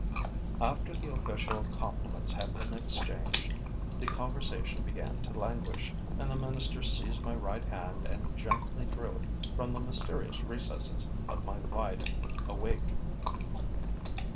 After the official compliments had been exchanged, the conversation began to languish; and the minister seized my right hand and gently drew it from the mysterious recesses of my wide awake.